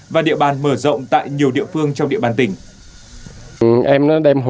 và địa bàn mở rộng tại nhiều địa phương trong địa bàn tỉnh